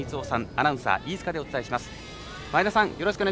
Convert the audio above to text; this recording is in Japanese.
アナウンサー飯塚でお伝えします。